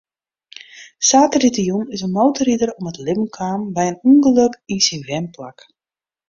Saterdeitejûn is in motorrider om it libben kaam by in ûngelok yn syn wenplak.